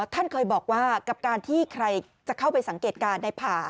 ท่านเคยบอกว่ากับการที่ใครจะเข้าไปสังเกตการณ์ในผ่า